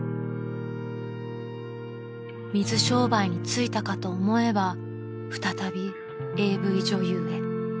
［水商売に就いたかと思えば再びＡＶ女優へ］